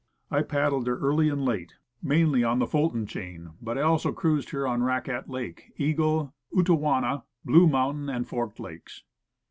I paddled her early and late, mainly on the Fulton Chain; but I also cruised her on Raquette Lake, Eagle, Utowana, Blue Mountain, and Forked lakes.